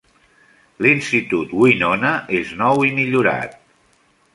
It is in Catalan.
L'Institut Winona és nou i millorat.